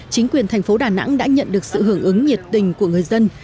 chính quyền thành phố đà nẵng đã nhận được sự hưởng ứng nhiệt tình của người dân